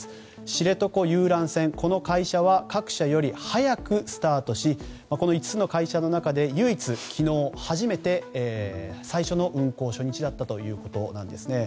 知床遊覧船、この会社は各社より早くスタートしこの５つの会社の中で唯一昨日、初めて運航初日だったということです。